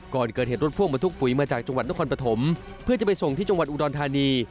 ก่อนเกิดเหตุรถพ่วงมาทุกปุ๋ยมาจากจังหวัดนครปฐมเพื่อจะไปส่งที่จังหวัดอุดรธานี